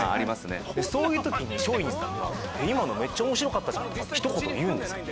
そういう時に松陰寺さんが「今のめっちゃ面白かった」ってひと言言うんですよ。